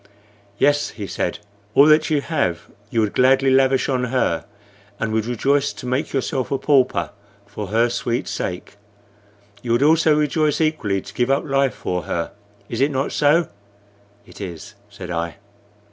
"Yes," he said, "all that you have you would gladly lavish on her, and would rejoice to make yourself a pauper for her sweet sake. You also would rejoice equally to give up life for her. Is it not so?" "It is," said I.